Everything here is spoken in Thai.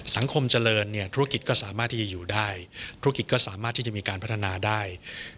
เจริญเนี่ยธุรกิจก็สามารถที่จะอยู่ได้ธุรกิจก็สามารถที่จะมีการพัฒนาได้